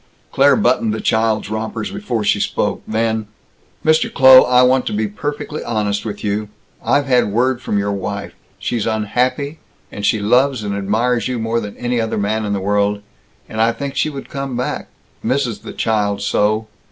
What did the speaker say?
Claire buttoned the child's rompers before she spoke. Then: "Mr. Kloh, I want to be perfectly honest with you. I've had word from your wife. She's unhappy, and she loves and admires you more than any other man in the world, and I think she would come back misses the child so."